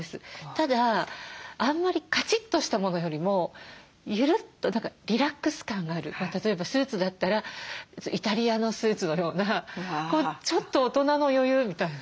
ただあんまりカチッとしたものよりもゆるっと何かリラックス感がある例えばスーツだったらイタリアのスーツのようなちょっと大人の余裕みたいなね